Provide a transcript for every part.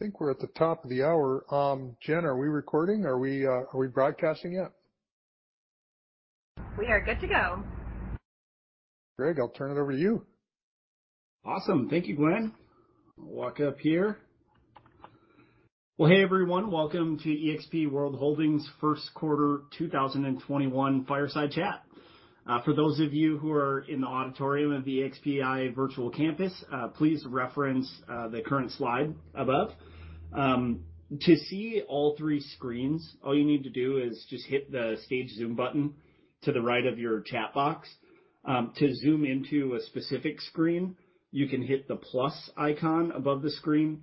I think we're at the top of the hour. Jen, are we recording? Are we broadcasting yet? We are good to go. Greg, I'll turn it over to you. Awesome. Thank you, Glenn. I'll walk up here. Well, hey, everyone. Welcome to eXp World Holdings' first quarter 2021 Fireside Chat. For those of you who are in the auditorium of the EXPI Virtual Campus, please reference the current slide above. To see all three screens, all you need to do is just hit the Stage Zoom button to the right of your chat box. To zoom into a specific screen, you can hit the plus icon above the screen.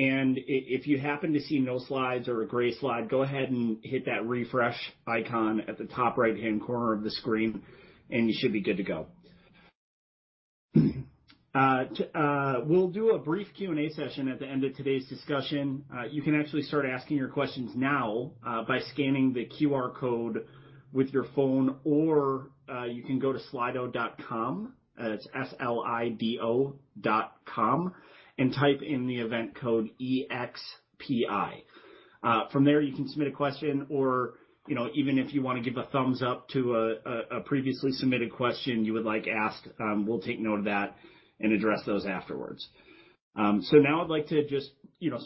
And if you happen to see no slides or a gray slide, go ahead and hit that refresh icon at the top right-hand corner of the screen, and you should be good to go. We'll do a brief Q&A session at the end of today's discussion. You can actually start asking your questions now by scanning the QR code with your phone, or you can go to slido.com, that's S-L-I-D-O.com, and type in the event code E-X-P-I. From there, you can submit a question or even if you want to give a thumbs up to a previously submitted question you would like asked, we'll take note of that and address those afterwards. Now I'd like to just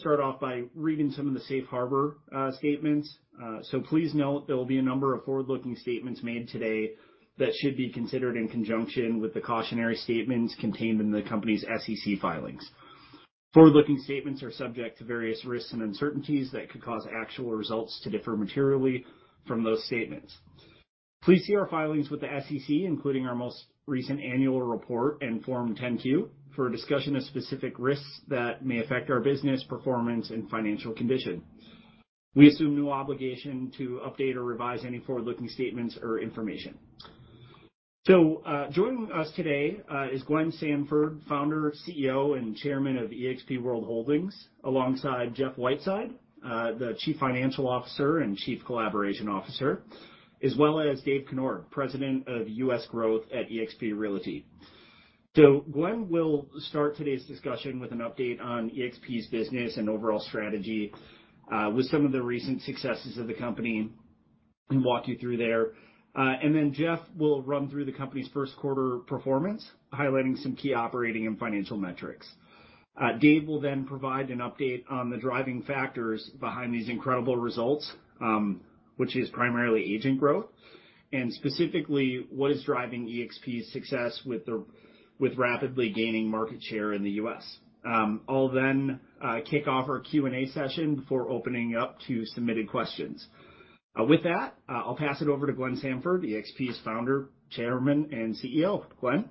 start off by reading some of the safe harbor statements. Please note there will be a number of forward-looking statements made today that should be considered in conjunction with the cautionary statements contained in the company's SEC filings. Forward-looking statements are subject to various risks and uncertainties that could cause actual results to differ materially from those statements. Please see our filings with the SEC, including our most recent annual report and Form 10-Q, for a discussion of specific risks that may affect our business, performance, and financial condition. We assume no obligation to update or revise any forward-looking statements or information. Joining us today is Glenn Sanford, Founder, CEO, and Chairman of eXp World Holdings, alongside Jeff Whiteside, the Chief Financial Officer and Chief Collaboration Officer, as well as Dave Conord, President of U.S. Growth at eXp Realty. Glenn will start today's discussion with an update on eXp's business and overall strategy, with some of the recent successes of the company and walk you through there. Then Jeff will run through the company's first-quarter performance, highlighting some key operating and financial metrics. Dave will provide an update on the driving factors behind these incredible results, which is primarily agent growth, and specifically, what is driving eXp's success with rapidly gaining market share in the U.S. I'll kick off our Q&A session before opening up to submitted questions. With that, I'll pass it over to Glenn Sanford, eXp's Founder, Chairman, and CEO. Glenn.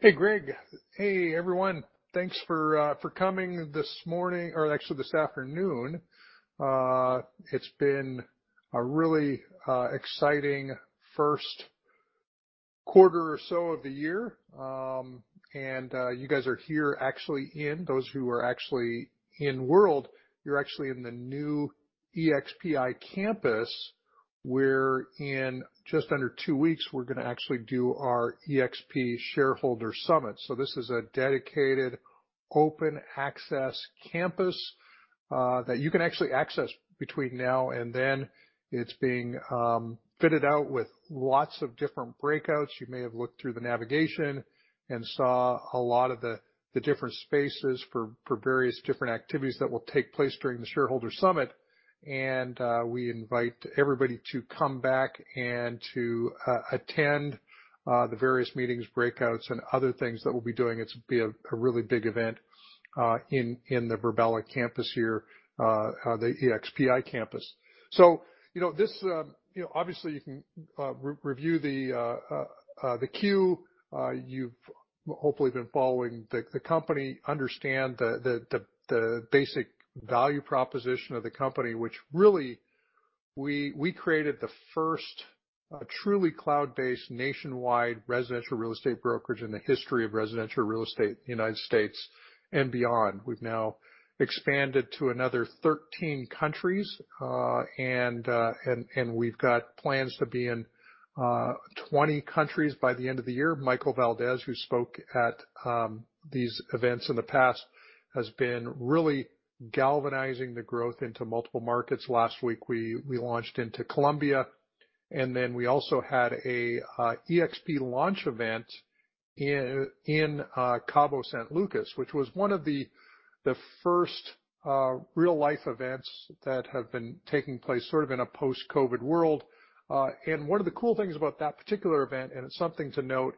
Hey, Greg. Hey, everyone. Thanks for coming this morning or actually this afternoon. It's been a really exciting first quarter or so of the year. You guys are here, actually in, those who are actually in world, you're actually in the new EXPI Campus, where in just under two weeks, we're going to actually do our eXp Shareholder Summit. This is a dedicated open-access campus, that you can actually access between now and then. It's being fitted out with lots of different breakouts. You may have looked through the navigation and saw a lot of the different spaces for various different activities that will take place during the Shareholder Summit. We invite everybody to come back and to attend the various meetings, breakouts, and other things that we'll be doing. It's going to be a really big event in the Virbela campus here, the EXPI Campus. Obviously you can review the cue. You've hopefully been following the company, understand the basic value proposition of the company, which really, we created the first truly cloud-based nationwide residential real estate brokerage in the history of residential real estate in the U.S. and beyond. We've now expanded to another 13 countries, and we've got plans to be in 20 countries by the end of the year. Michael Valdes, who spoke at these events in the past, has been really galvanizing the growth into multiple markets. Last week, we launched into Colombia, and then we also had a eXp launch event in Cabo San Lucas, which was one of the first real-life events that have been taking place sort of in a post-COVID world. One of the cool things about that particular event, and it's something to note,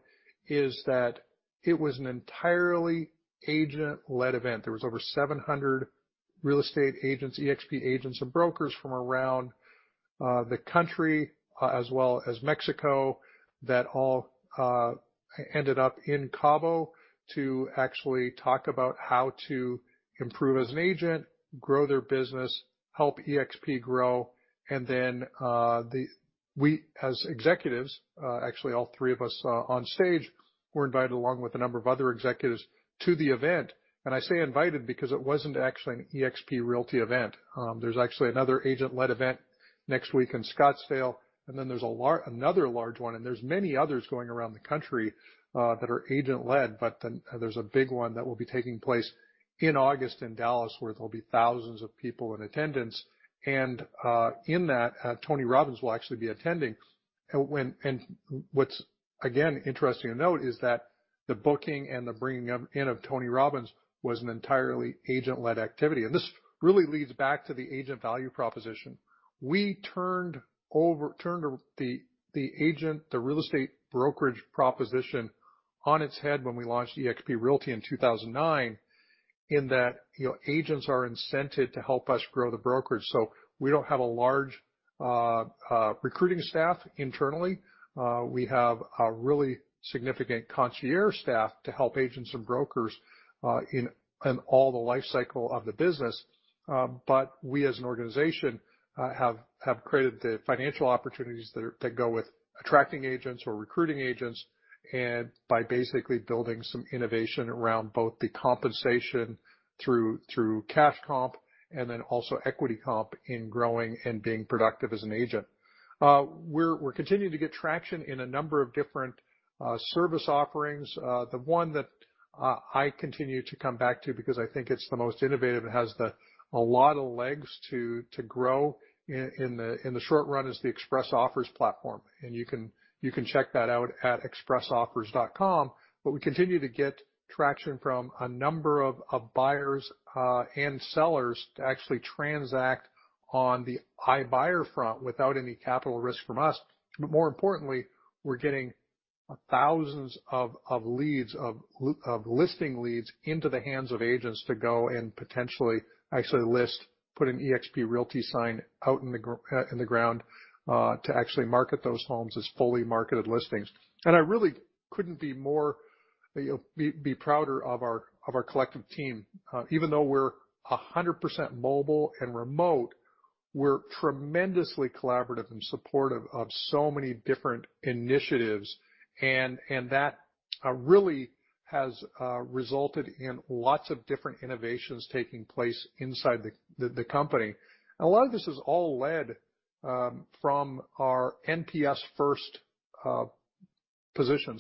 is that it was an entirely agent-led event. There was over 700 real estate agents, eXp agents, and brokers from around the country, as well as Mexico, that all ended up in Cabo to actually talk about how to improve as an agent, grow their business, help eXp grow. We as executives, actually all three of us on stage, were invited along with a number of other executives to the event. I say invited because it wasn't actually an eXp Realty event. There's actually another agent-led event next week in Scottsdale, and then there's another large one, and there's many others going around the country that are agent-led. There's a big one that will be taking place in August in Dallas, where there'll be thousands of people in attendance. In that, Tony Robbins will actually be attending. And what's, again, interesting to note is that the booking and the bringing in of Tony Robbins was an entirely agent-led activity. This really leads back to the agent value proposition. We turned the agent, the real estate brokerage proposition on its head when we launched eXp Realty in 2009, in that agents are incented to help us grow the brokerage. We don't have a large recruiting staff internally. We have a really significant concierge staff to help agents and brokers in all the life cycle of the business. We as an organization, have created the financial opportunities that go with attracting agents or recruiting agents, and by basically building some innovation around both the compensation through cash comp and then also equity comp in growing and being productive as an agent. We're continuing to get traction in a number of different service offerings. The one that I continue to come back to because I think it's the most innovative, it has a lot of legs to grow in the short run, is the Express Offers platform. You can check that out at expressoffers.com. We continue to get traction from a number of buyers and sellers to actually transact on the iBuyer front without any capital risk from us. More importantly, we're getting thousands of listing leads into the hands of agents to go and potentially actually list, put an eXp Realty sign out in the ground, to actually market those homes as fully marketed listings. I really couldn't be prouder of our collective team. Even though we're 100% mobile and remote, we're tremendously collaborative and supportive of so many different initiatives, and that really has resulted in lots of different innovations taking place inside the company. A lot of this is all led from our NPS first position.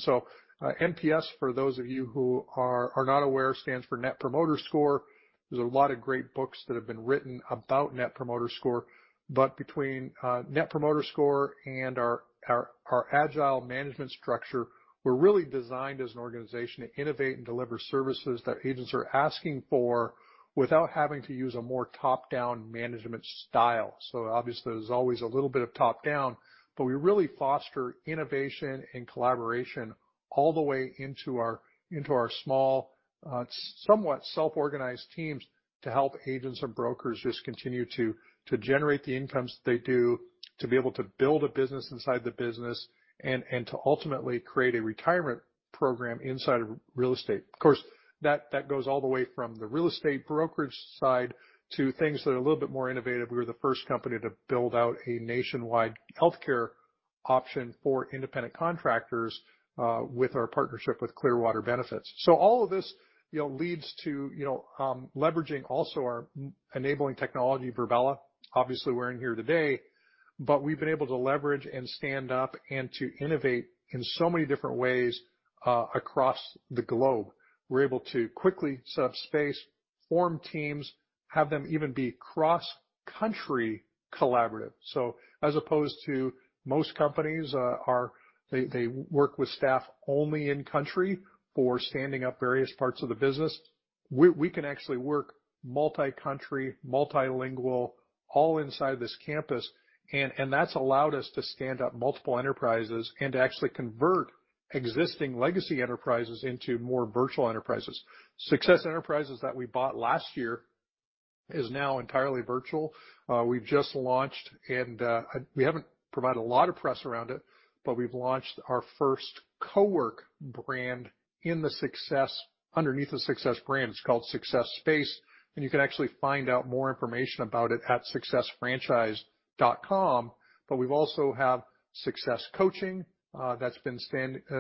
NPS, for those of you who are not aware, stands for Net Promoter Score. There's a lot of great books that have been written about Net Promoter Score. Between Net Promoter Score and our agile management structure, we're really designed as an organization to innovate and deliver services that agents are asking for without having to use a more top-down management style. Obviously, there's always a little bit of top-down, but we really foster innovation and collaboration all the way into our small, somewhat self-organized teams to help agents and brokers just continue to generate the incomes that they do, to be able to build a business inside the business, and to ultimately create a retirement program inside of real estate. Of course, that goes all the way from the real estate brokerage side to things that are a little bit more innovative. We were the first company to build out a nationwide healthcare option for independent contractors, with our partnership with Clearwater Benefits. All of this leads to leveraging also our enabling technology, Virbela. Obviously, we're in here today, but we've been able to leverage and stand up and to innovate in so many different ways across the globe. We're able to quickly set up space, form teams, have them even be cross-country collaborative. As opposed to most companies, they work with staff only in country for standing up various parts of the business. We can actually work multi-country, multilingual, all inside this campus, and that's allowed us to stand up multiple enterprises and to actually convert existing legacy enterprises into more virtual enterprises. SUCCESS Enterprises that we bought last year is now entirely virtual. We've just launched, and we haven't provided a lot of press around it, but we've launched our first co-work brand underneath the SUCCESS brand. It's called SUCCESS Space, and you can actually find out more information about it at successfranchise.com. We also have SUCCESS Coaching, that's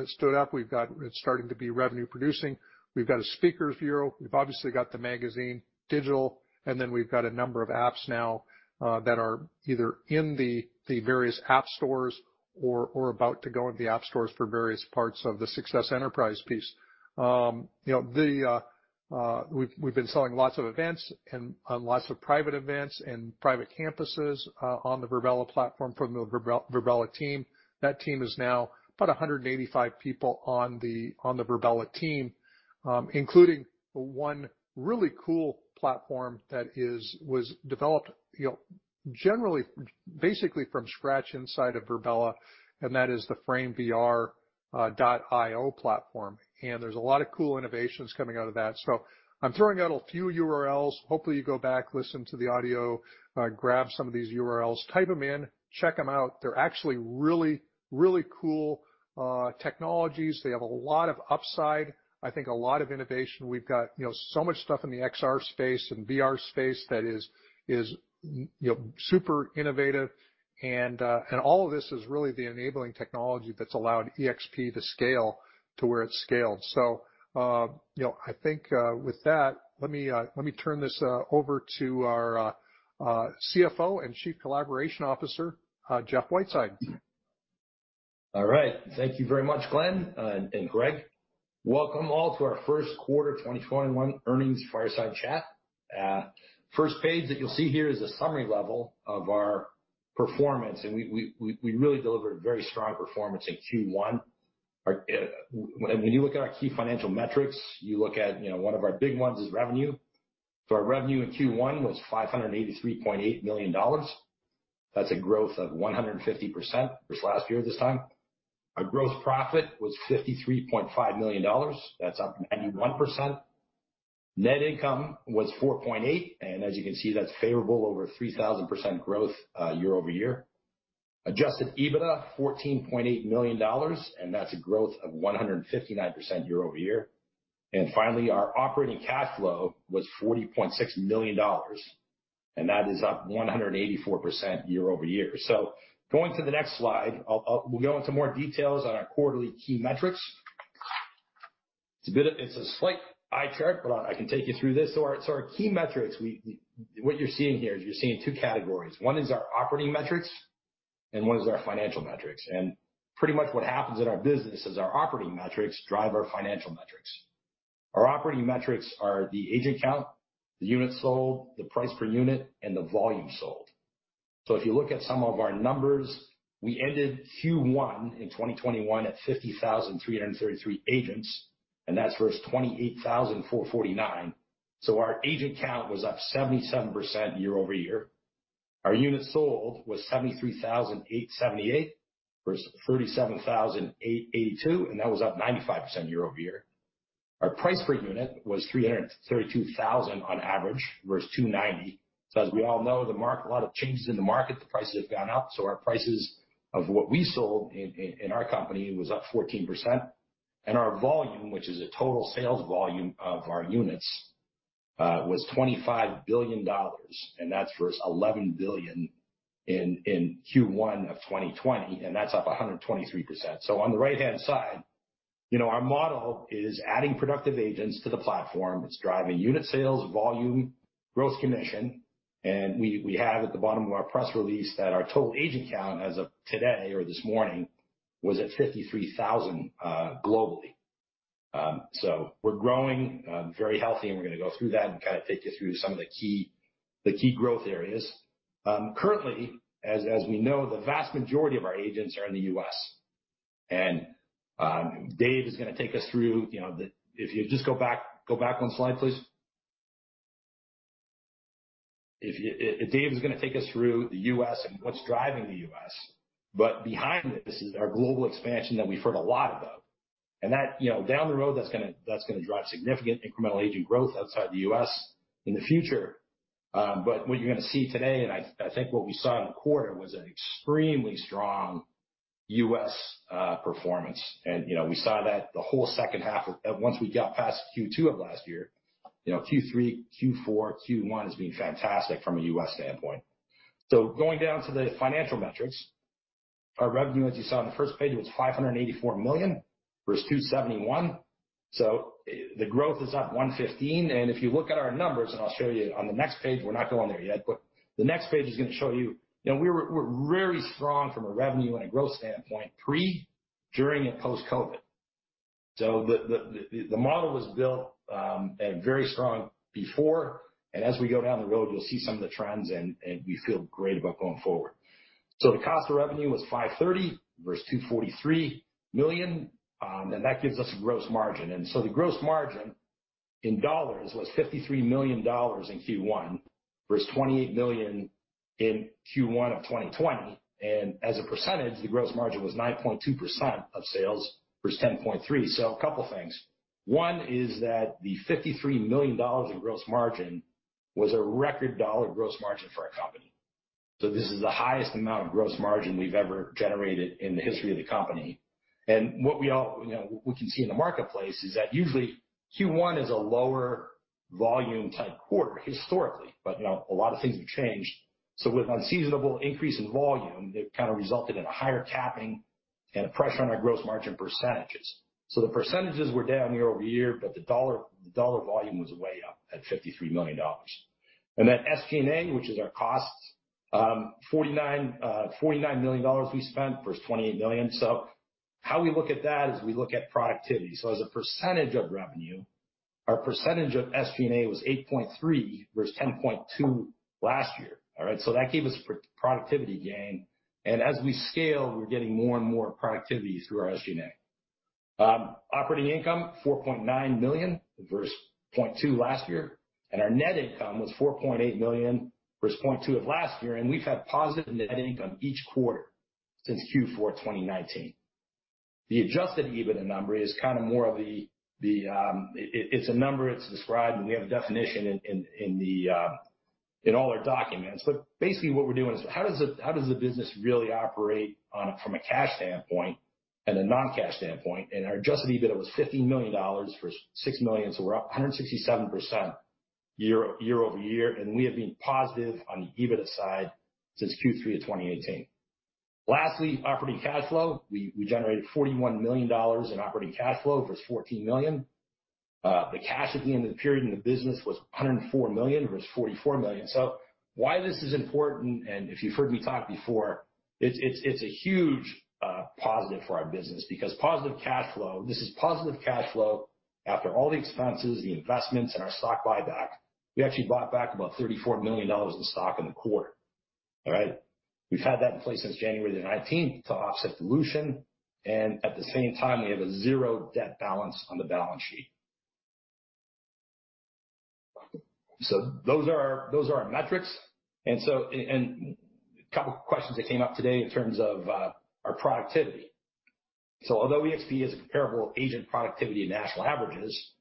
stood up. It's starting to be revenue producing. We've got a speakers bureau. We've obviously got the magazine, digital, and then we've got a number of apps now, that are either in the various app stores or about to go in the app stores for various parts of the SUCCESS Enterprises piece. We've been selling lots of events and lots of private events and private campuses on the Virbela platform from the Virbela team. That team is now about 185 people on the Virbela team, including one really cool platform that was developed basically from scratch inside of Virbela, and that is the framevr.io platform. There's a lot of cool innovations coming out of that. I'm throwing out a few URLs. Hopefully, you go back, listen to the audio, grab some of these URLs, type them in, check them out. They're actually really cool technologies. They have a lot of upside. I think a lot of innovation. We've got so much stuff in the XR space and VR space that is super innovative, all of this is really the enabling technology that's allowed eXp to scale to where it's scaled. I think with that, let me turn this over to our CFO and Chief Collaboration Officer, Jeff Whiteside. All right. Thank you very much, Glenn and Greg. Welcome all to our first quarter 2021 earnings fireside chat. First page that you'll see here is a summary level of our performance, and we really delivered very strong performance in Q1. When you look at our key financial metrics, you look at one of our big ones is revenue. Our revenue in Q1 was $583.8 million. That's a growth of 150% versus last year at this time. Our gross profit was $53.5 million. That's up 91%. Net income was $4.8, and as you can see, that's favorable over 3,000% growth year-over-year. Adjusted EBITDA $14.8 million, and that's a growth of 159% year-over-year. Finally, our operating cash flow was $40.6 million, and that is up 184% year-over-year. Going to the next slide, we'll go into more details on our quarterly key metrics. It's a slight eye chart, but I can take you through this. Our key metrics, what you're seeing here is you're seeing two categories. One is our operating metrics and one is our financial metrics. Pretty much what happens in our business is our operating metrics drive our financial metrics. Our operating metrics are the agent count, the units sold, the price per unit, and the volume sold. If you look at some of our numbers, we ended Q1 in 2021 at 50,333 agents, and that's versus 28,449. Our agent count was up 77% year-over-year. Our units sold was 73,878 versus 37,882, and that was up 95% year-over-year. Our price per unit was $332,000 on average versus $290. As we all know, a lot of changes in the market, the prices have gone up. Our prices of what we sold in our company was up 14%. Our volume, which is a total sales volume of our units, was $25 billion, and that's versus $11 billion in Q1 of 2020, and that's up 123%. On the right-hand side, our model is adding productive agents to the platform. It's driving unit sales, volume, gross commission. We have at the bottom of our press release that our total agent count as of today or this morning was at 53,000 globally. We're growing very healthy, and we're going to go through that and kind of take you through some of the key growth areas. Currently, as we know, the vast majority of our agents are in the U.S. and Dave is going to take us through. If you just go back one slide, please. Dave is going to take us through the U.S. and what's driving the U.S. Behind it is our global expansion that we've heard a lot about. Down the road, that's going to drive significant incremental agent growth outside the U.S. in the future. What you're going to see today, I think what we saw in the quarter, was an extremely strong U.S. performance. We saw that the whole second half, once we got past Q2 of last year. Q3, Q4, Q1 has been fantastic from a U.S. standpoint. Going down to the financial metrics, our revenue, as you saw on the first page, was $584 million versus $271. The growth is up 115%. If you look at our numbers, I'll show you on the next page, we're not going there yet. The next page is going to show you we're very strong from a revenue and a growth standpoint, pre, during, and post-COVID. The model was built at a very strong before, and as we go down the road, you'll see some of the trends, and we feel great about going forward. The cost of revenue was $530 million versus $243 million, and that gives us a gross margin. The gross margin in dollars was $53 million in Q1 versus $28 million in Q1 of 2020. As a percentage, the gross margin was 9.2% of sales versus 10.3%. A couple of things. One is that the $53 million in gross margin was a record dollar gross margin for our company. This is the highest amount of gross margin we've ever generated in the history of the company. What we can see in the marketplace is that usually Q1 is a lower volume-type quarter historically, but a lot of things have changed. With unseasonable increase in volume, it kind of resulted in a higher capping and a pressure on our gross margin percentages. The percentages were down year-over-year, but the dollar volume was way up at $53 million. SG&A, which is our costs, $49 million we spent versus $28 million. How we look at that is we look at productivity. As a percentage of revenue, our percentage of SG&A was 8.3% versus 10.2% last year. All right? That gave us productivity gain. As we scale, we're getting more and more productivity through our SG&A. Operating income, $4.9 million versus $0.2 million last year. Our net income was $4.8 million versus $0.2 million of last year. We've had positive net income each quarter since Q4 2019. The adjusted EBITDA number is kind of more of the-- it's a number, it's described, and we have a definition in all our documents. Basically what we're doing is how does the business really operate from a cash standpoint and a non-cash standpoint? Our adjusted EBITDA was $15 million versus $6 million, so we're up 167% year-over-year, and we have been positive on the EBITDA side since Q3 of 2018. Lastly, operating cash flow. We generated $41 million in operating cash flow versus $14 million. The cash at the end of the period in the business was $104 million versus $44 million. Why this is important, and if you've heard me talk before, it's a huge positive for our business, because positive cash flow, this is positive cash flow after all the expenses, the investments, and our stock buyback. We actually bought back about $34 million in stock in the quarter. All right. We've had that in place since January 19th to offset dilution, and at the same time, we have a zero debt balance on the balance sheet. Those are our metrics. A couple of questions that came up today in terms of our productivity. Although eXp is a comparable agent productivity to national averages,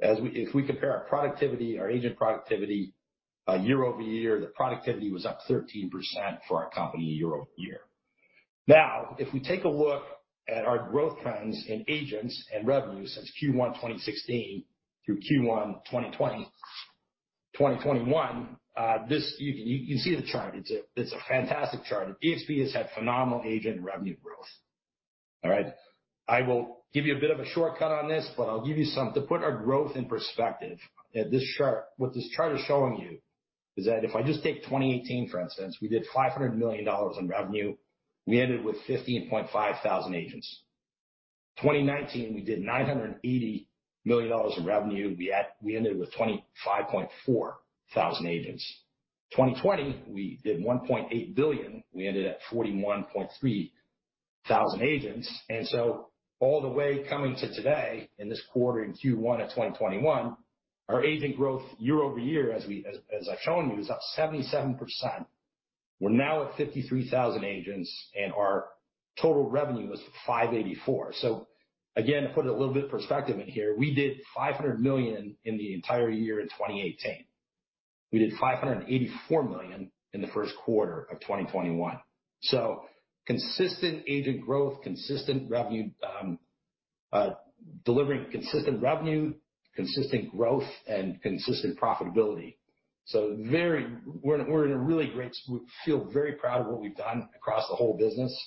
if we compare our productivity, our agent productivity, year-over-year, the productivity was up 13% for our company year-over-year. Now, if we take a look at our growth trends in agents and revenue since Q1 2016 through Q1 2021, you can see the chart. It's a fantastic chart. eXp has had phenomenal agent revenue growth. All right? I will give you a bit of a shortcut on this, but I'll give you something to put our growth in perspective. What this chart is showing you is that if I just take 2018, for instance, we did $500 million in revenue. We ended with 15,500 agents. 2019, we did $980 million in revenue. We ended with 25,400 agents. 2020, we did $1.8 billion. We ended at 41,300 agents. All the way coming to today in this quarter in Q1 of 2021, our agent growth year-over-year, as I've shown you, is up 77%. We're now at 53,000 agents, and our total revenue is $584. Again, to put a little bit perspective in here, we did $500 million in the entire year in 2018. We did $584 million in the first quarter of 2021. Consistent agent growth, delivering consistent revenue, consistent growth, and consistent profitability. We feel very proud of what we've done across the whole business.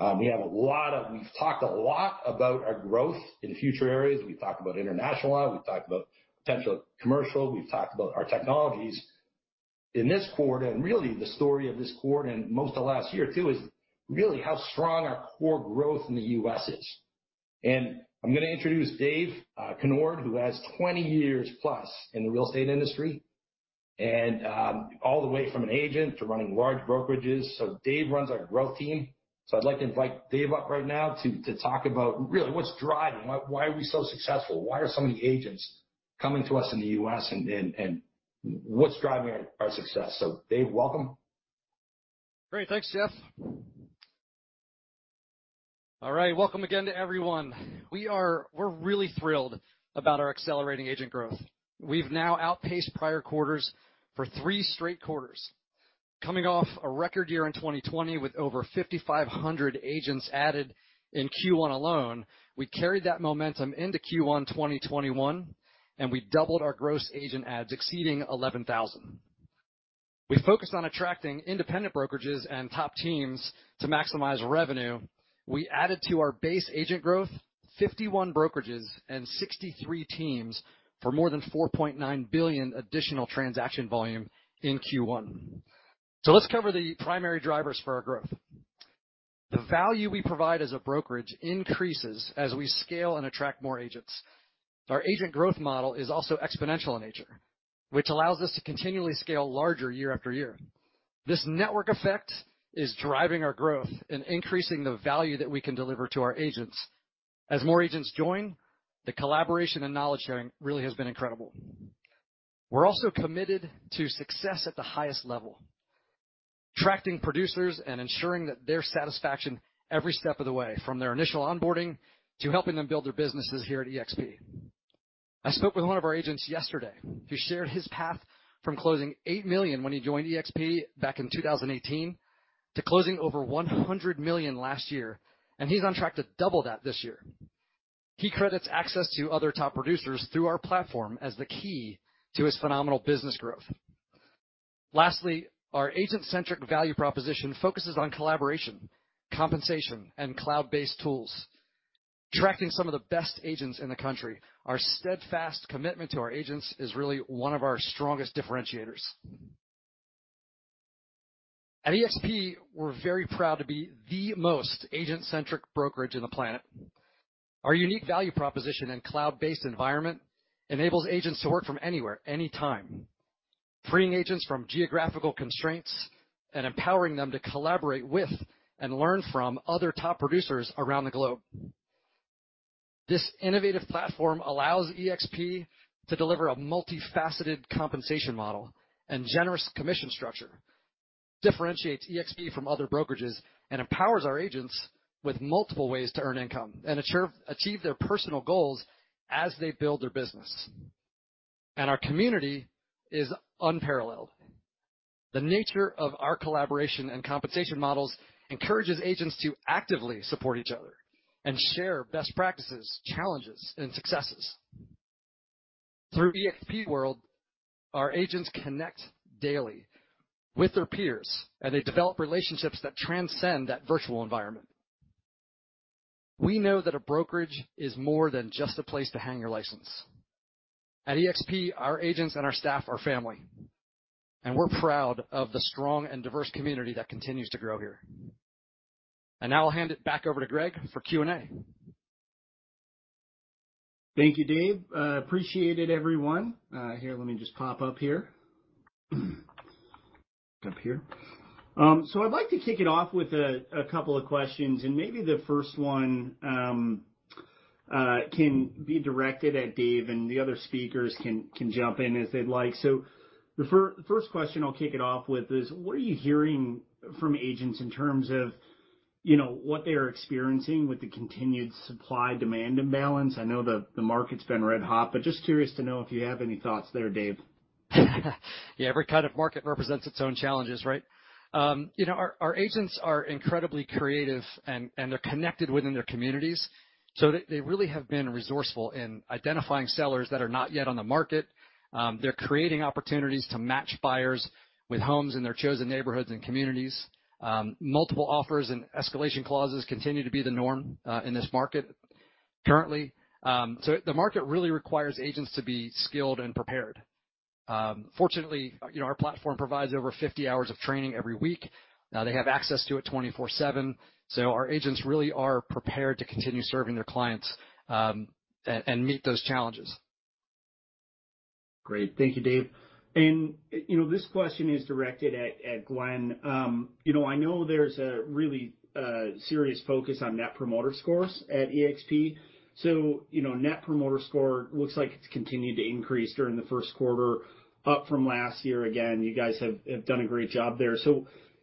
We've talked a lot about our growth in future areas. We've talked about international a lot. We've talked about potential commercial. We've talked about our technologies. In this quarter, and really the story of this quarter and most of last year too is really how strong our core growth in the U.S. is. I'm going to introduce Dave Conord, who has 20 years+ in the real estate industry, and all the way from an agent to running large brokerages. Dave runs our growth team. I'd like to invite Dave up right now to talk about really what's driving, why are we so successful, why are so many agents coming to us in the U.S., and what's driving our success. Dave, welcome. Great. Thanks, Jeff. All right. Welcome again to everyone. We're really thrilled about our accelerating agent growth. We've now outpaced prior quarters for three straight quarters. Coming off a record year in 2020 with over 5,500 agents added in Q1 alone, we carried that momentum into Q1 2021, we doubled our gross agent adds exceeding 11,000. We focused on attracting independent brokerages and top teams to maximize revenue. We added to our base agent growth 51 brokerages and 63 teams for more than $4.9 billion additional transaction volume in Q1. Let's cover the primary drivers for our growth. The value we provide as a brokerage increases as we scale and attract more agents. Our agent growth model is also exponential in nature, which allows us to continually scale larger year after year. This network effect is driving our growth and increasing the value that we can deliver to our agents. As more agents join, the collaboration and knowledge sharing really has been incredible. We're also committed to success at the highest level, attracting producers and ensuring that their satisfaction every step of the way, from their initial onboarding to helping them build their businesses here at eXp. I spoke with one of our agents yesterday who shared his path from closing $8 million when he joined eXp back in 2018 to closing over $100 million last year, and he's on track to double that this year. He credits access to other top producers through our platform as the key to his phenomenal business growth. Lastly, our agent-centric value proposition focuses on collaboration, compensation, and cloud-based tools, attracting some of the best agents in the country. Our steadfast commitment to our agents is really one of our strongest differentiators. At eXp, we're very proud to be the most agent-centric brokerage on the planet. Our unique value proposition and cloud-based environment enables agents to work from anywhere, anytime, freeing agents from geographical constraints and empowering them to collaborate with and learn from other top producers around the globe. This innovative platform allows eXp to deliver a multifaceted compensation model and generous commission structure, differentiates eXp from other brokerages, and empowers our agents with multiple ways to earn income and achieve their personal goals as they build their business. Our community is unparalleled. The nature of our collaboration and compensation models encourages agents to actively support each other and share best practices, challenges, and successes. Through eXp World, our agents connect daily with their peers, and they develop relationships that transcend that virtual environment. We know that a brokerage is more than just a place to hang your license. At eXp, our agents and our staff are family, and we're proud of the strong and diverse community that continues to grow here. Now I'll hand it back over to Greg for Q&A. Thank you, Dave. Appreciate it, everyone. Here, let me just pop up here. Up here. I'd like to kick it off with a couple of questions, and maybe the first one can be directed at Dave, and the other speakers can jump in as they'd like. The first question I'll kick it off with is, what are you hearing from agents in terms of what they are experiencing with the continued supply-demand imbalance? I know the market's been red hot, but just curious to know if you have any thoughts there, Dave. Every kind of market represents its own challenges, right? Our agents are incredibly creative, and they're connected within their communities. They really have been resourceful in identifying sellers that are not yet on the market. They're creating opportunities to match buyers with homes in their chosen neighborhoods and communities. Multiple offers and escalation clauses continue to be the norm in this market currently. The market really requires agents to be skilled and prepared. Fortunately, our platform provides over 50 hours of training every week. They have access to it 24/7, so our agents really are prepared to continue serving their clients and meet those challenges. Great. Thank you, Dave. This question is directed at Glenn. I know there's a really serious focus on Net Promoter Scores at eXp. Net Promoter Score looks like it's continued to increase during the first quarter, up from last year again. You guys have done a great job there.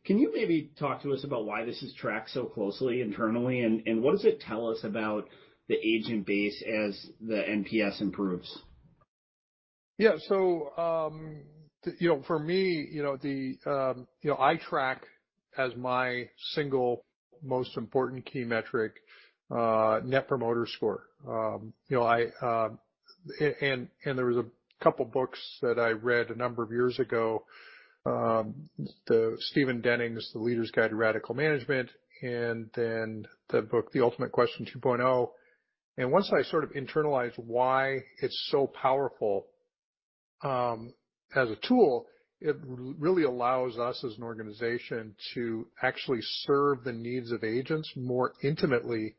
Can you maybe talk to us about why this is tracked so closely internally, and what does it tell us about the agent base as the NPS improves? Yeah. For me, I track as my single most important key metric, Net Promoter Score. There was a couple books that I read a number of years ago, Stephen Denning's "The Leader's Guide to Radical Management," and then the book, "The Ultimate Question 2.0." Once I sort of internalized why it's so powerful as a tool, it really allows us as an organization to actually serve the needs of agents more intimately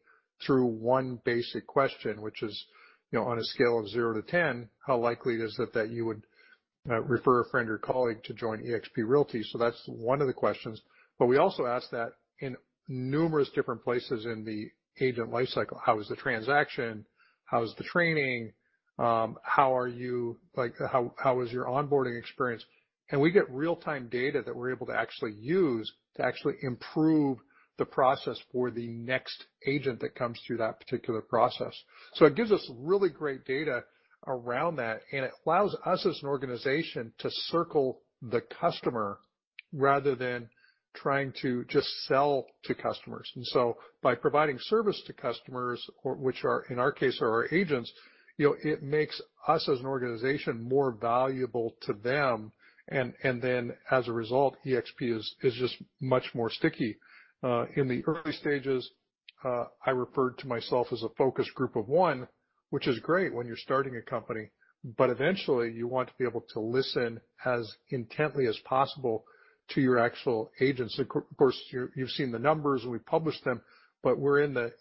through one basic question, which is, on a scale of zero to 10, how likely it is that you would refer a friend or colleague to join eXp Realty? That's one of the questions. We also ask that in numerous different places in the agent lifecycle, "How was the transaction? How was the training? How was your onboarding experience? We get real-time data that we're able to actually use to actually improve the process for the next agent that comes through that particular process. It gives us really great data around that, and it allows us as an organization to circle the customer rather than trying to just sell to customers. By providing service to customers, which in our case, are our agents, it makes us as an organization more valuable to them. Then as a result, eXp is just much more sticky. In the early stages, I referred to myself as a focus group of one, which is great when you're starting a company, but eventually, you want to be able to listen as intently as possible to your actual agents. Of course, you've seen the numbers, and we published them, but we're in the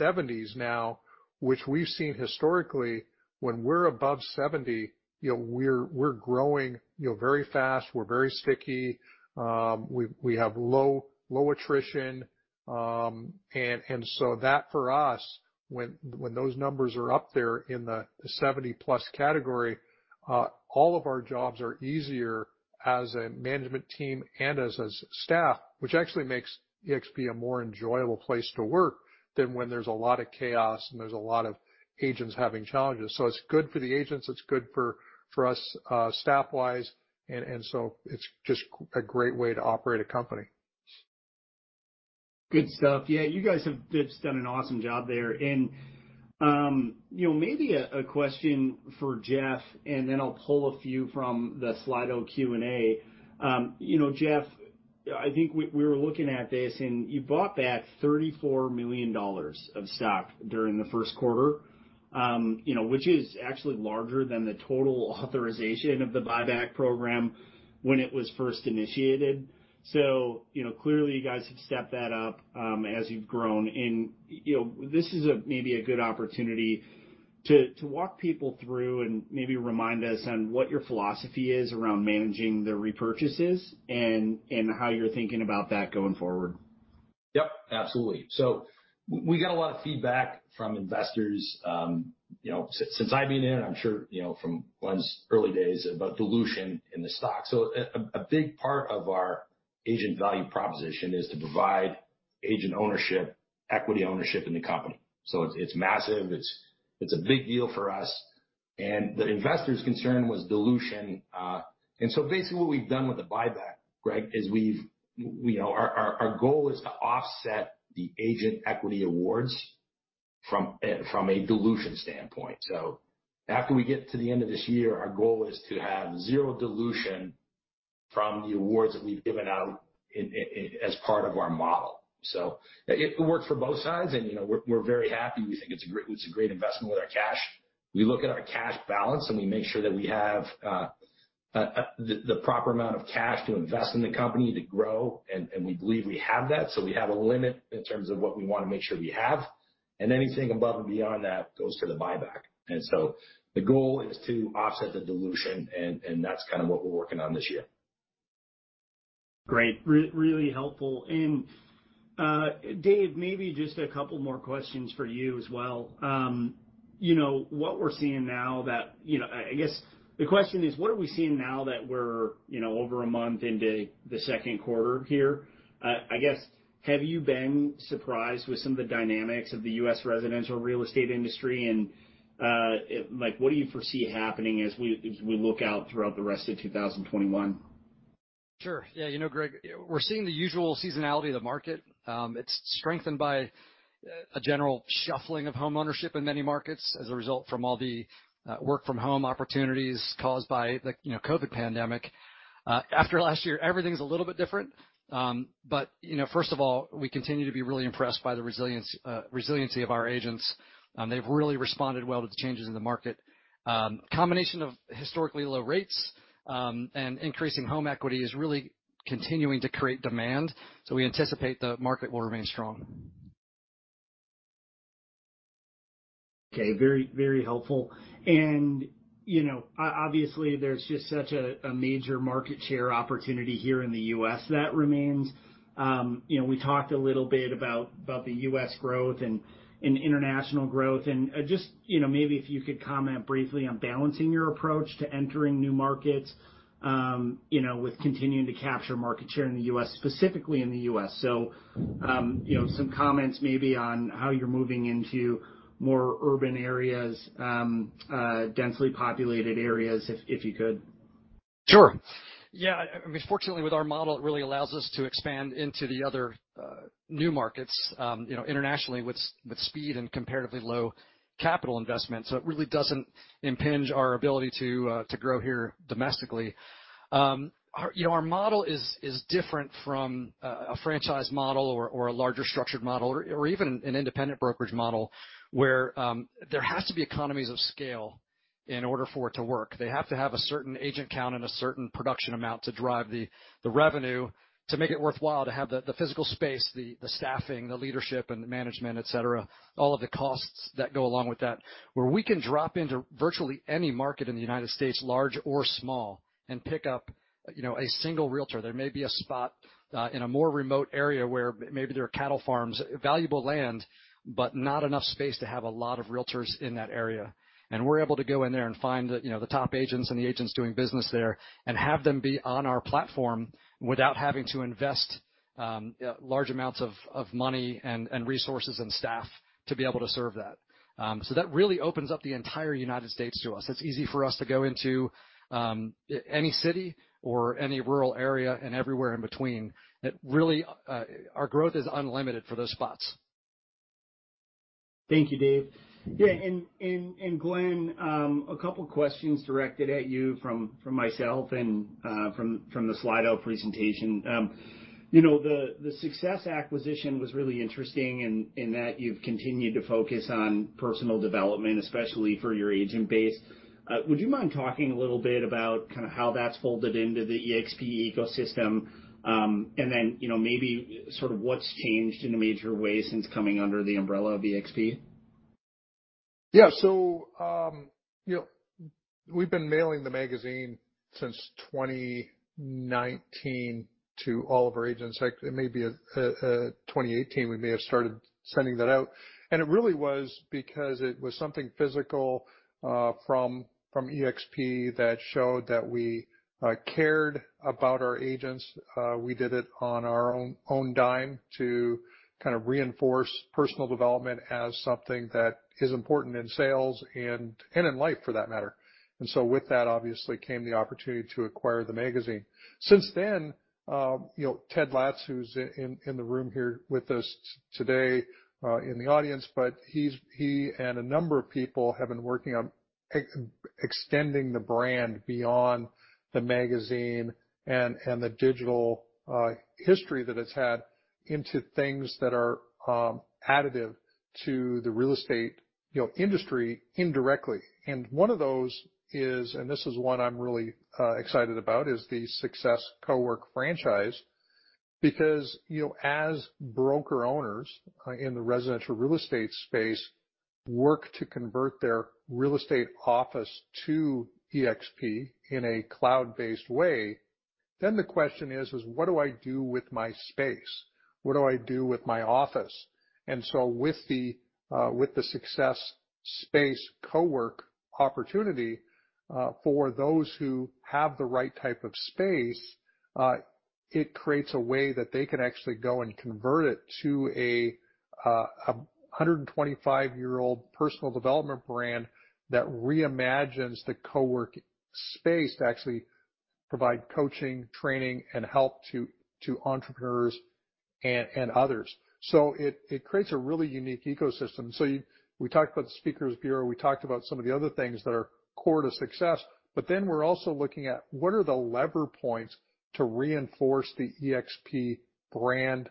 70s now, which we've seen historically, when we're above 70, we're growing very fast. We're very sticky. We have low attrition. That for us, when those numbers are up there in the 70+ category, all of our jobs are easier as a management team and as staff, which actually makes eXp a more enjoyable place to work than when there's a lot of chaos and there's a lot of agents having challenges. It's good for the agents. It's good for us, staff-wise, and so it's just a great way to operate a company. Good stuff. Yeah, you guys have just done an awesome job there. Maybe a question for Jeff, then I'll pull a few from the Slido Q&A. Jeff, I think we were looking at this, and you bought back $34 million of stock during the first quarter, which is actually larger than the total authorization of the buyback program when it was first initiated. Clearly, you guys have stepped that up as you've grown. This is maybe a good opportunity to walk people through and maybe remind us on what your philosophy is around managing the repurchases and how you're thinking about that going forward. Yep, absolutely. We get a lot of feedback from investors. Since I've been here, and I'm sure from Glenn's early days, about dilution in the stock. A big part of our agent value proposition is to provide agent ownership, equity ownership in the company. It's massive. It's a big deal for us. The investors' concern was dilution. Basically, what we've done with the buyback, Greg, our goal is to offset the agent equity awards from a dilution standpoint. After we get to the end of this year, our goal is to have zero dilution from the awards that we've given out as part of our model. It works for both sides, and we're very happy. We think it's a great investment with our cash. We look at our cash balance, and we make sure that we have the proper amount of cash to invest in the company to grow, and we believe we have that. We have a limit in terms of what we want to make sure we have, and anything above and beyond that goes for the buyback. The goal is to offset the dilution, and that's kind of what we're working on this year. Great. Really helpful. Dave, maybe just a couple more questions for you as well. I guess the question is, what are we seeing now that we're over a month into the second quarter here? I guess, have you been surprised with some of the dynamics of the U.S. residential real estate industry, and what do you foresee happening as we look out throughout the rest of 2021? Sure. Yeah, Greg, we're seeing the usual seasonality of the market. It's strengthened by a general shuffling of homeownership in many markets as a result from all the work from home opportunities caused by the COVID pandemic. After last year, everything's a little bit different. First of all, we continue to be really impressed by the resiliency of our agents. They've really responded well to the changes in the market. A combination of historically low rates, and increasing home equity is really continuing to create demand. We anticipate the market will remain strong. Okay. Very helpful. Obviously, there's just such a major market share opportunity here in the U.S. that remains. We talked a little bit about the U.S. growth and international growth, just maybe if you could comment briefly on balancing your approach to entering new markets, with continuing to capture market share in the U.S., specifically in the U.S. Some comments maybe on how you're moving into more urban areas, densely populated areas, if you could. Sure. Yeah. I mean, fortunately with our model, it really allows us to expand into the other new markets, internationally with speed and comparatively low capital investment. It really doesn't impinge our ability to grow here domestically. Our model is different from a franchise model or a larger structured model or even an independent brokerage model, where there has to be economies of scale in order for it to work. They have to have a certain agent count and a certain production amount to drive the revenue to make it worthwhile to have the physical space, the staffing, the leadership and the management, et cetera, all of the costs that go along with that. Where we can drop into virtually any market in the United States, large or small, and pick up a single realtor. There may be a spot, in a more remote area, where maybe there are cattle farms, valuable land, but not enough space to have a lot of realtors in that area. We're able to go in there and find the top agents and the agents doing business there and have them be on our platform without having to invest large amounts of money and resources and staff to be able to serve that. That really opens up the entire U.S. to us. It's easy for us to go into any city or any rural area and everywhere in between. Really, our growth is unlimited for those spots. Thank you, Dave. Yeah, Glenn, a couple questions directed at you from myself and from the Slido presentation. The SUCCESS acquisition was really interesting in that you've continued to focus on personal development, especially for your agent base. Would you mind talking a little bit about how that's folded into the eXp ecosystem? Then, maybe sort of what's changed in a major way since coming under the umbrella of eXp? Yeah. We've been mailing the magazine since 2019 to all of our agents. It may be 2018, we may have started sending that out. It really was because it was something physical, from eXp that showed that we cared about our agents. We did it on our own dime to kind of reinforce personal development as something that is important in sales and in life for that matter. With that, obviously, came the opportunity to acquire the magazine. Since then, Ted Laatz, who's in the room here with us today, in the audience, but he and a number of people have been working on extending the brand beyond the magazine and the digital history that it's had into things that are additive to the real estate industry indirectly. One of those is, and this is one I'm really excited about, is the SUCCESS co-work franchise. As broker owners in the residential real estate space work to convert their real estate office to eXp in a cloud-based way, the question is, what do I do with my space? What do I do with my office? With the SUCCESS Space co-work opportunity, for those who have the right type of space, it creates a way that they can actually go and convert it to a 125-year-old personal development brand that re-imagines the coworking space to actually provide coaching, training, and help to entrepreneurs and others. It creates a really unique ecosystem. We talked about the speakers bureau, we talked about some of the other things that are core to SUCCESS. We're also looking at what are the lever points to reinforce the eXp brand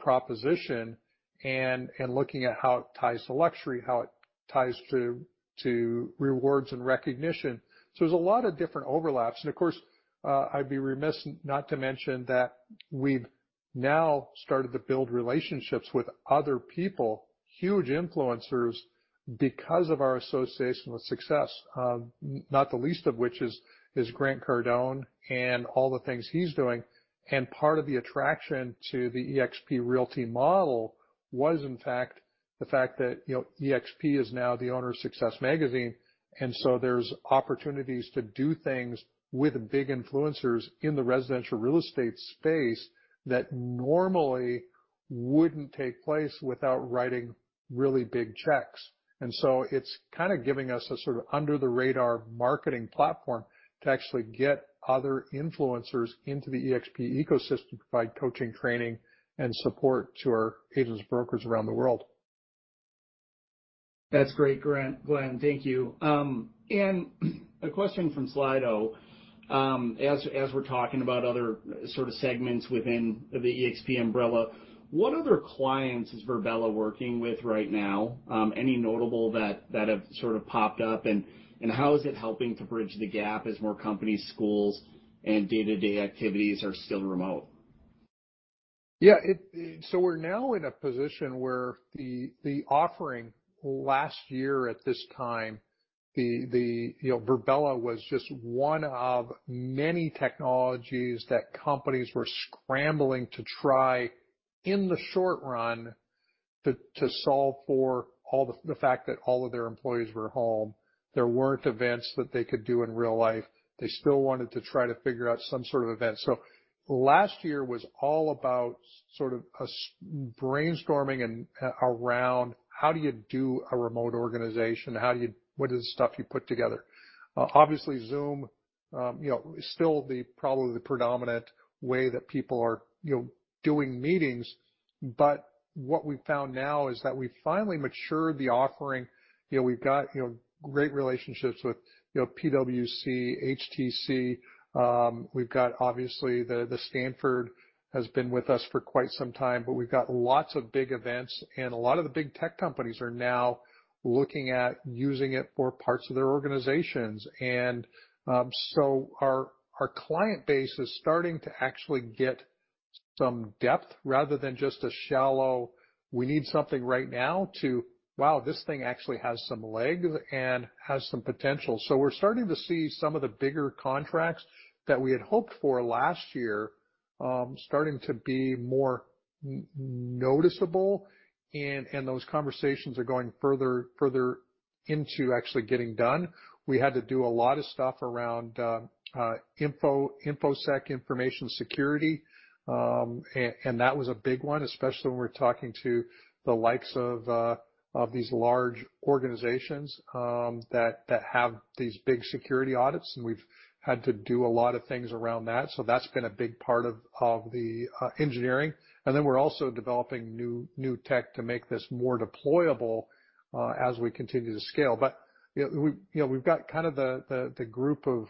proposition and looking at how it ties to luxury, how it ties to rewards and recognition. There's a lot of different overlaps. Of course, I'd be remiss not to mention that we've now started to build relationships with other people, huge influencers, because of our association with SUCCESS. Not the least of which is Grant Cardone and all the things he's doing. Part of the attraction to the eXp Realty model was, in fact, the fact that eXp is now the owner of SUCCESS Magazine. There's opportunities to do things with big influencers in the residential real estate space that normally wouldn't take place without writing really big checks. It's kind of giving us a sort of under-the-radar marketing platform to actually get other influencers into the eXp ecosystem to provide coaching, training, and support to our agents, brokers around the world. That's great, Glenn. Thank you. A question from Slido. As we're talking about other sort of segments within the eXp umbrella, what other clients is Virbela working with right now? Any notable that have sort of popped up and how is it helping to bridge the gap as more companies, schools, and day-to-day activities are still remote? Yeah. We're now in a position where the offering last year at this time, Virbela was just one of many technologies that companies were scrambling to try in the short run to solve for the fact that all of their employees were home. There weren't events that they could do in real life. They still wanted to try to figure out some sort of event. Last year was all about sort of brainstorming around how do you do a remote organization? What are the stuff you put together? Obviously Zoom is still probably the predominant way that people are doing meetings. What we've found now is that we've finally matured the offering. We've got great relationships with PwC, HTC. We've got, obviously, Stanford has been with us for quite some time, but we've got lots of big events, and a lot of the big tech companies are now looking at using it for parts of their organizations. Our client base is starting to actually get some depth rather than just a shallow, we need something right now to, wow, this thing actually has some legs and has some potential. We're starting to see some of the bigger contracts that we had hoped for last year starting to be more noticeable and those conversations are going further into actually getting done. We had to do a lot of stuff around InfoSec, information security. That was a big one, especially when we're talking to the likes of these large organizations that have these big security audits. We've had to do a lot of things around that. That's been a big part of the engineering. We're also developing new tech to make this more deployable as we continue to scale. We've got kind of the group of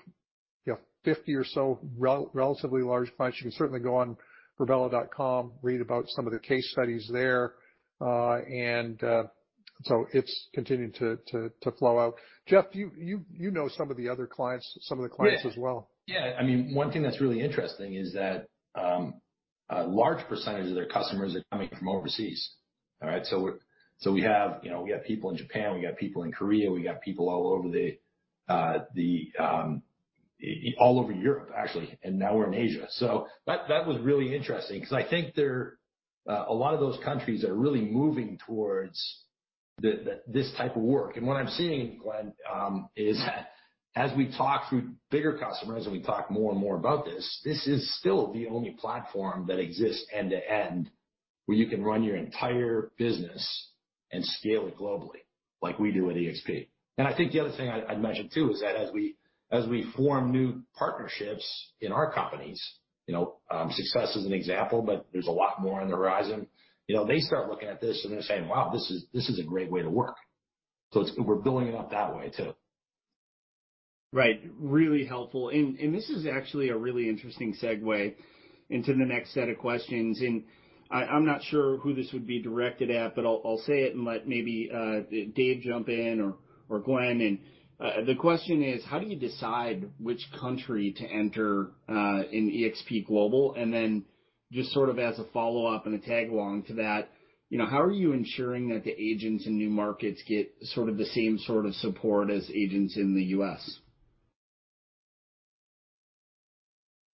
50 or so relatively large clients. You can certainly go on virbela.com read about some of their case studies there. It's continuing to flow out. Jeff, you know some of the other clients, some of the clients as well. Yeah. One thing that's really interesting is that a large percentage of their customers are coming from overseas. All right. We have people in Japan, we got people in Korea, we got people all over Europe, actually, and now we're in Asia. That was really interesting because I think a lot of those countries are really moving towards this type of work. What I'm seeing, Glenn, is that as we talk through bigger customers and we talk more and more about this is still the only platform that exists end-to-end, where you can run your entire business and scale it globally like we do at eXp. I think the other thing I'd mention too is that as we form new partnerships in our companies, SUCCESS as an example, but there's a lot more on the horizon. They start looking at this and they're saying, "Wow, this is a great way to work." We're building it up that way too. Right. Really helpful. This is actually a really interesting segue into the next set of questions, and I'm not sure who this would be directed at, but I'll say it and let maybe Dave jump in or Glenn in. The question is, how do you decide which country to enter in eXp Global? Then just sort of as a follow-up and a tag-along to that, how are you ensuring that the agents in new markets get sort of the same sort of support as agents in the U.S.?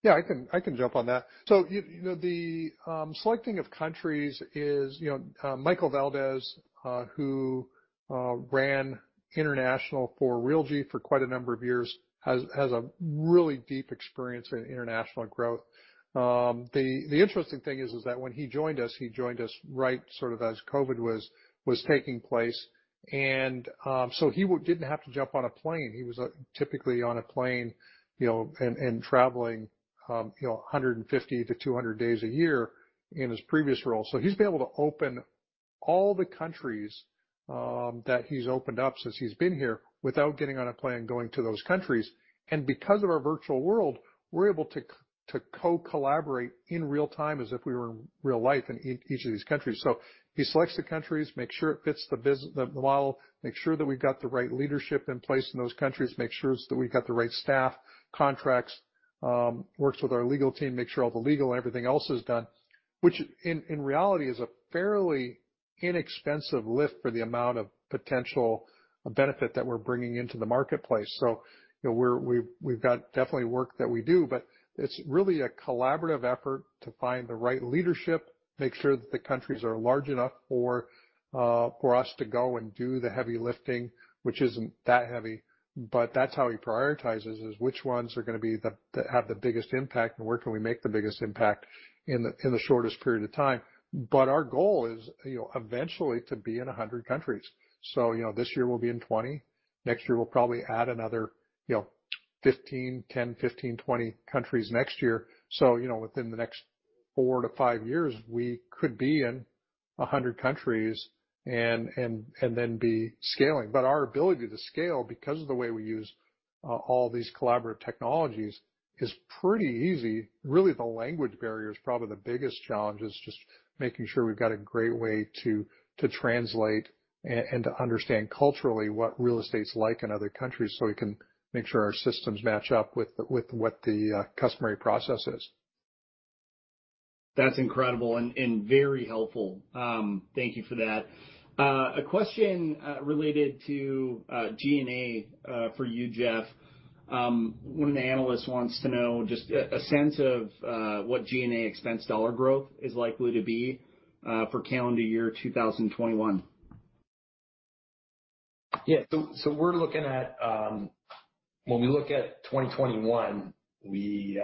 Yeah, I can jump on that. The selecting of countries is, Michael Valdes, who ran international for Realogy for quite a number of years, has a really deep experience in international growth. The interesting thing is that when he joined us, he joined us right sort of as COVID was taking place, and he didn't have to jump on a plane. He was typically on a plane and traveling 150-200 days a year in his previous role. He's been able to open all the countries that he's opened up since he's been here without getting on a plane going to those countries. Because of our eXp World, we're able to co-collaborate in real-time as if we were in real life in each of these countries. He selects the countries, makes sure it fits the model, makes sure that we've got the right leadership in place in those countries, makes sure that we've got the right staff, contracts, works with our legal team, makes sure all the legal and everything else is done, which in reality is a fairly inexpensive lift for the amount of potential benefit that we're bringing into the marketplace. We've got definitely work that we do, but it's really a collaborative effort to find the right leadership, make sure that the countries are large enough for us to go and do the heavy lifting, which isn't that heavy. That's how he prioritizes is which ones are going to have the biggest impact, and where can we make the biggest impact in the shortest period of time. Our goal is eventually to be in 100 countries. This year we'll be in 20. Next year, we'll probably add another, 10, 15, 20 countries next year. Within the next four to five years, we could be in 100 countries and then be scaling. Our ability to scale, because of the way we use all these collaborative technologies, is pretty easy. Really, the language barrier is probably the biggest challenge is just making sure we've got a great way to translate and to understand culturally what real estate's like in other countries, so we can make sure our systems match up with what the customary process is. That's incredible and very helpful. Thank you for that. A question related to G&A for you, Jeff. One of the analysts wants to know just a sense of what G&A expense dollar growth is likely to be for calendar year 2021. Yeah. When we look at 2021, we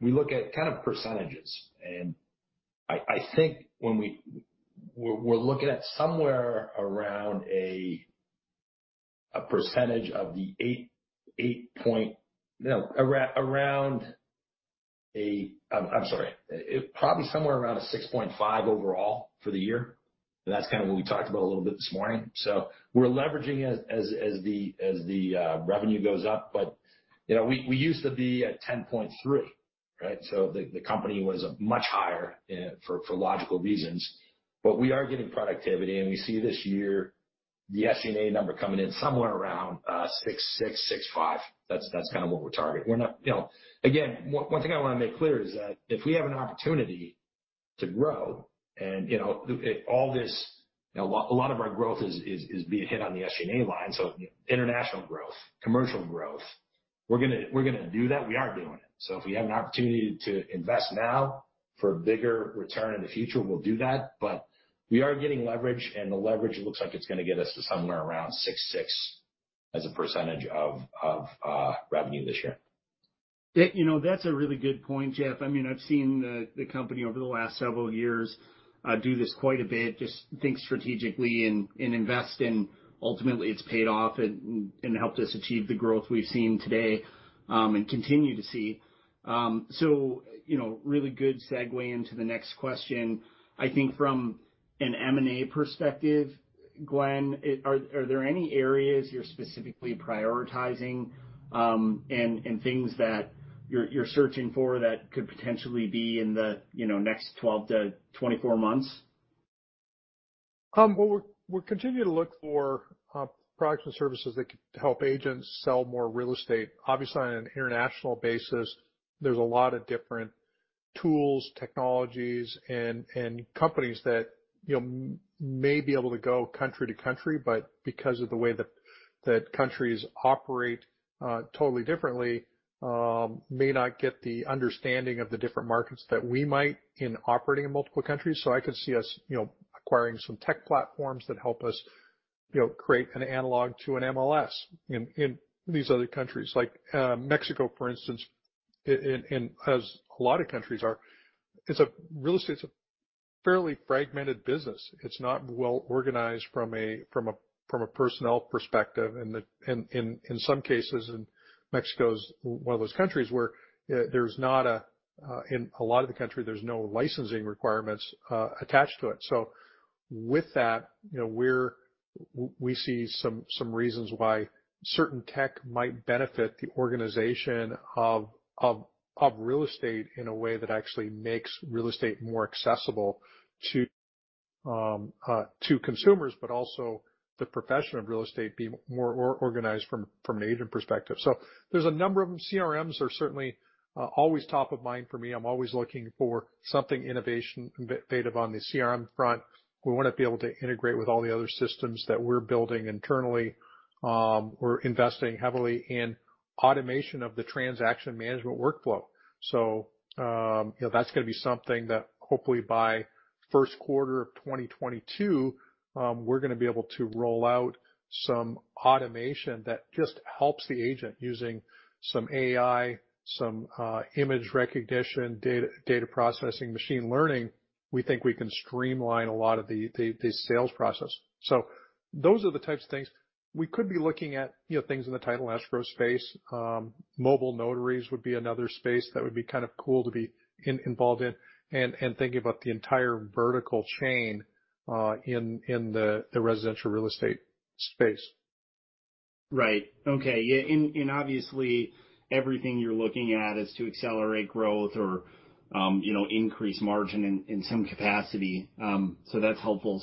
look at kind of percentages. I think we're looking at somewhere around a percentage of eight point, no, around, I'm sorry, probably somewhere around the 6.5% overall for the year. That's kind of what we talked about a little bit this morning. We're leveraging as the revenue goes up, but we used to be at 10.3%, right? The company was much higher for logical reasons. We are getting productivity, and we see this year the SG&A number coming in somewhere around 6.6%-6.5%. That's kind of what we're targeting. Again, one thing I want to make clear is that if we have an opportunity to grow and a lot of our growth is being hit on the SG&A line, so international growth, commercial growth, we're going to do that. We are doing it. If we have an opportunity to invest now for a bigger return in the future, we'll do that. We are getting leverage, and the leverage looks like it's going to get us to somewhere around 6.6% of revenue this year. That's a really good point, Jeff. I've seen the company over the last several years do this quite a bit, just think strategically and invest, and ultimately it's paid off and helped us achieve the growth we've seen today and continue to see. Really good segue into the next question. I think from an M&A perspective, Glenn, are there any areas you're specifically prioritizing and things that you're searching for that could potentially be in the next 12-24 months? Well, we're continuing to look for products and services that could help agents sell more real estate. Obviously, on an international basis, there's a lot of different tools, technologies, and companies that may be able to go country to country, but because of the way that countries operate totally differently, may not get the understanding of the different markets that we might in operating in multiple countries. I could see us acquiring some tech platforms that help us create an analog to an MLS in these other countries. Like Mexico, for instance, and as a lot of countries are, real estate's a fairly fragmented business. It's not well organized from a personnel perspective, and in some cases, and Mexico's one of those countries where in a lot of the country, there's no licensing requirements attached to it. With that, we see some reasons why certain tech might benefit the organization of real estate in a way that actually makes real estate more accessible to consumers, but also the profession of real estate be more organized from an agent perspective. There's a number of them. CRMs are certainly always top of mind for me. I'm always looking for something innovative on the CRM front. We want to be able to integrate with all the other systems that we're building internally. We're investing heavily in automation of the transaction management workflow. That's going to be something that hopefully by first quarter of 2022, we're going to be able to roll out some automation that just helps the agent using some AI, some image recognition, data processing, machine learning. We think we can streamline a lot of the sales process. Those are the types of things. We could be looking at things in the title and escrow space. Mobile notaries would be another space that would be kind of cool to be involved in and thinking about the entire vertical chain in the residential real estate space. Right. Okay. Yeah. Obviously, everything you're looking at is to accelerate growth or increase margin in some capacity. That's helpful.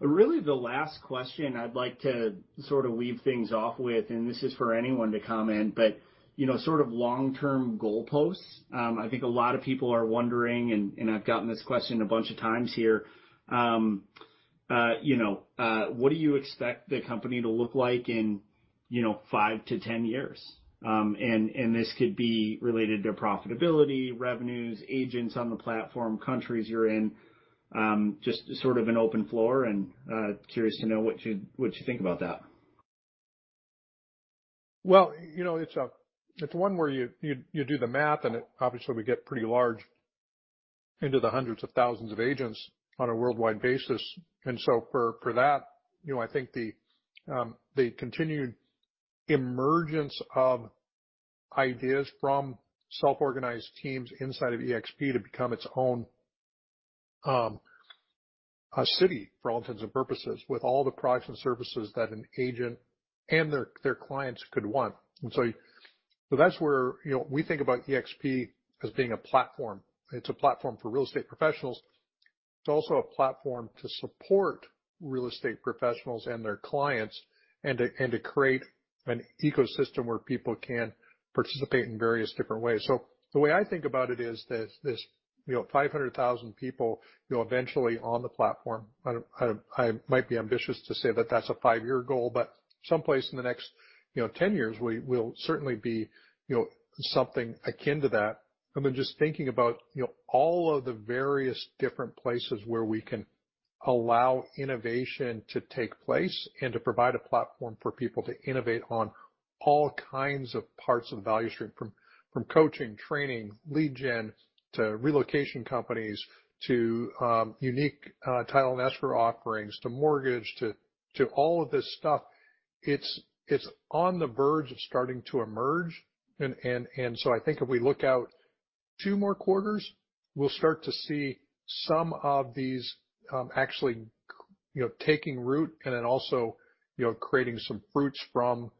Really the last question I'd like to sort of weave things off with, and this is for anyone to comment, but sort of long-term goalposts. I think a lot of people are wondering, and I've gotten this question a bunch of times here. What do you expect the company to look like in 5-10 years? This could be related to profitability, revenues, agents on the platform, countries you're in, just sort of an open floor, and curious to know what you think about that. Well, it's one where you do the math, obviously we get pretty large into the hundreds of thousands of agents on a worldwide basis. For that, I think the continued emergence of ideas from self-organized teams inside of eXp to become its own city, for all intents and purposes, with all the products and services that an agent and their clients could want. That's where we think about eXp as being a platform. It's a platform for real estate professionals. It's also a platform to support real estate professionals and their clients and to create an ecosystem where people can participate in various different ways. The way I think about it is this 500,000 people will eventually on the platform. I might be ambitious to say that that's a five-year goal, but someplace in the next 10 years, we'll certainly be something akin to that. I mean, just thinking about all of the various different places where we can allow innovation to take place and to provide a platform for people to innovate on all kinds of parts of the value stream, from coaching, training, lead gen, to relocation companies, to unique title and escrow offerings, to mortgage, to all of this stuff. It's on the verge of starting to emerge. I think if we look out two more quarters, we'll start to see some of these actually taking root and then also creating some fruits from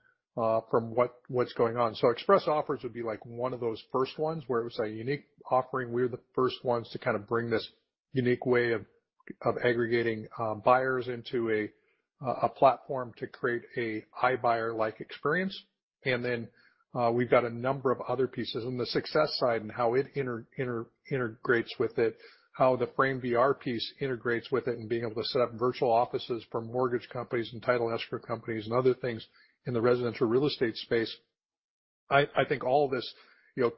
what's going on. So ExpressOffers would be like one of those first ones, where it was a unique offering. We're the first ones to kind of bring this unique way of aggregating buyers into a platform to create an iBuyer-like experience. We've got a number of other pieces on the SUCCESS side and how it integrates with it, how the Frame VR piece integrates with it, and being able to set up virtual offices for mortgage companies and title escrow companies and other things in the residential real estate space. I think all of this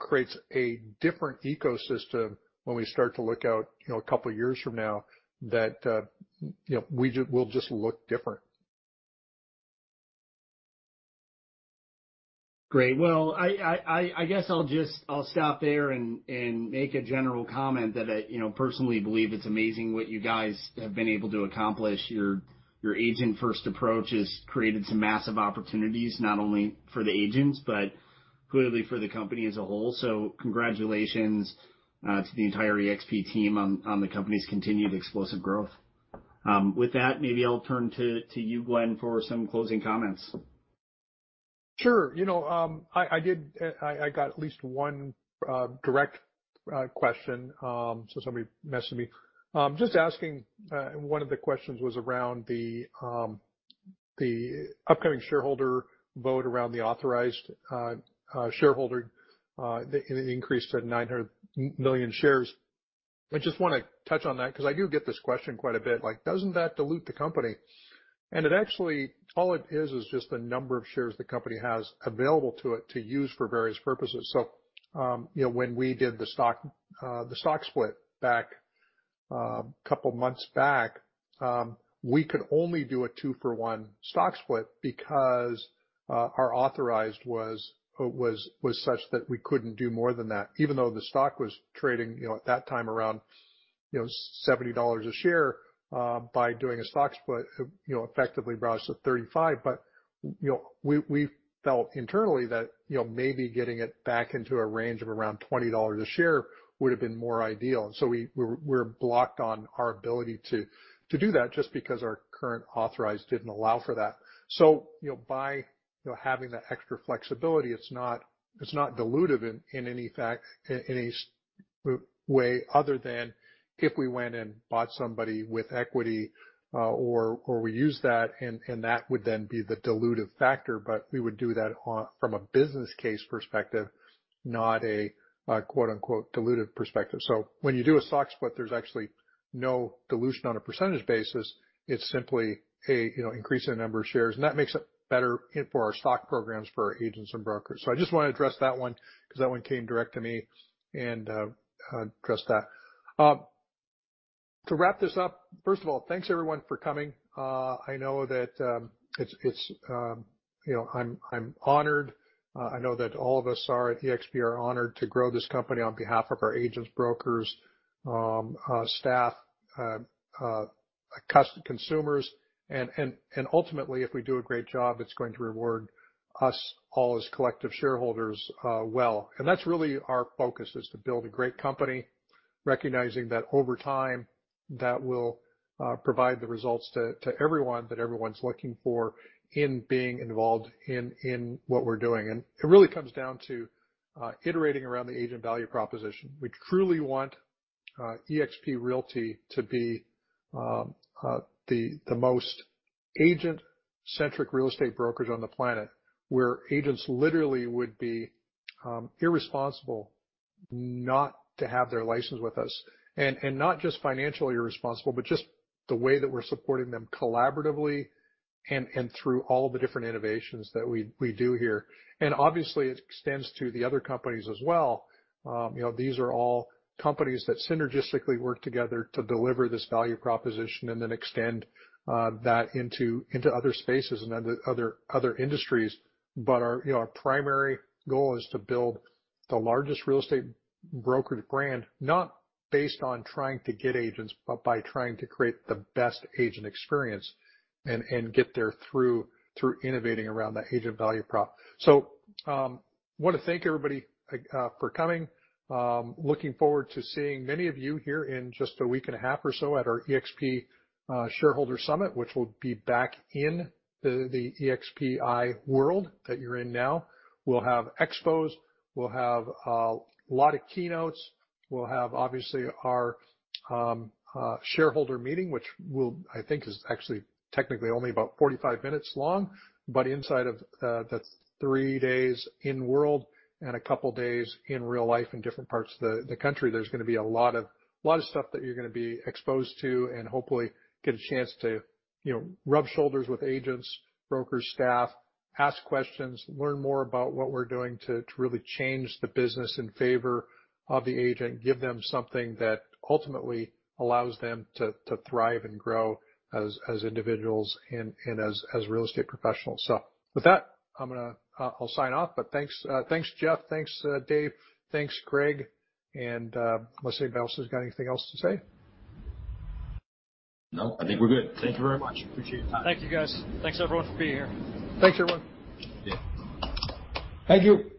creates a different ecosystem when we start to look out a couple of years from now that we'll just look different. Great. Well, I guess I'll stop there and make a general comment that I personally believe it's amazing what you guys have been able to accomplish. Your agent-first approach has created some massive opportunities, not only for the agents, but clearly for the company as a whole. Congratulations to the entire eXp team on the company's continued explosive growth. With that, maybe I'll turn to you, Glenn, for some closing comments. Sure. I got at least one direct question. Somebody messed with me. Just asking, one of the questions was around the upcoming shareholder vote around the authorized shareholder increase to 900 million shares. I just want to touch on that because I do get this question quite a bit. Like, doesn't that dilute the company? It actually, all it is just the number of shares the company has available to it to use for various purposes. When we did the stock split a couple months back, we could only do a two for one stock split because our authorized was such that we couldn't do more than that, even though the stock was trading, at that time, around $70 a share. By doing a stock split, effectively brought us to $35. We felt internally that maybe getting it back into a range of around $20 a share would have been more ideal. We're blocked on our ability to do that just because our current authorized didn't allow for that. By having that extra flexibility, it's not dilutive in any way other than if we went and bought somebody with equity, or we use that, and that would then be the dilutive factor. We would do that from a business case perspective, not a "dilutive perspective". When you do a stock split, there's actually no dilution on a percentage basis. It's simply a increase in the number of shares, and that makes it better for our stock programs for our agents and brokers. I just want to address that one because that one came direct to me and address that. To wrap this up, first of all, thanks everyone for coming. I know that I'm honored. I know that all of us are at eXp are honored to grow this company on behalf of our agents, brokers, staff, consumers, and ultimately, if we do a great job, it's going to reward us all as collective shareholders well. That's really our focus is to build a great company, recognizing that over time, that will provide the results to everyone that everyone's looking for in being involved in what we're doing. It really comes down to iterating around the agent value proposition. We truly want eXp Realty to be the most agent-centric real estate brokerage on the planet, where agents literally would be irresponsible not to have their license with us. Not just financially irresponsible, but just the way that we're supporting them collaboratively and through all the different innovations that we do here. Obviously, it extends to the other companies as well. These are all companies that synergistically work together to deliver this value proposition and then extend that into other spaces and other industries. Our primary goal is to build the largest real estate brokerage brand, not based on trying to get agents, but by trying to create the best agent experience, and get there through innovating around that agent value prop. Want to thank everybody for coming. Looking forward to seeing many of you here in just a week and a half or so at our eXp Shareholder Summit, which will be back in the eXp World that you're in now. We'll have expos, we'll have a lot of keynotes. We'll have, obviously, our shareholder meeting, which I think is actually technically only about 45 minutes long. Inside of the three days in eXp World and a couple of days in real life in different parts of the country, there's going to be a lot of stuff that you're going to be exposed to and hopefully get a chance to rub shoulders with agents, brokers, staff. Ask questions, learn more about what we're doing to really change the business in favor of the agent, give them something that ultimately allows them to thrive and grow as individuals and as real estate professionals. With that, I'll sign off. Thanks, Jeff. Thanks, Dave. Thanks, Greg. Unless anybody else has got anything else to say. No, I think we're good. Thank you very much. Appreciate your time. Thank you, guys. Thanks, everyone, for being here. Thanks, everyone. Yeah. Thank you.